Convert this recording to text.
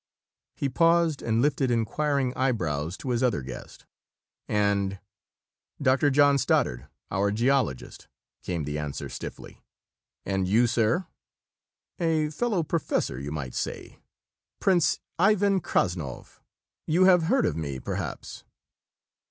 He paused and lifted inquiring eyebrows to his other guest. "And ?" "Dr. John Stoddard, our geologist," came the answer stiffly. "And you, sir?" "A fellow professor, you might say. Prince Ivan Krassnov. You have heard of me, perhaps?"